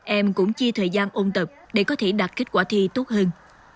em cũng chia thời gian ôn tập để có thể đạt kết quả thi tốt hơn